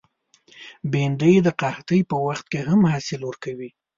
بېنډۍ د قحطۍ په وخت کې هم حاصل ورکوي